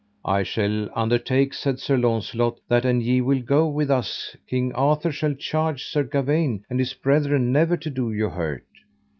I shall undertake, said Sir Launcelot, that an ye will go with us King Arthur shall charge Sir Gawaine and his brethren never to do you hurt.